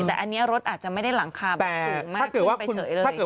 แต่อันนี้รถอาจจะไม่ได้หลังคาแบบสูงมากขึ้นไปเฉยเลย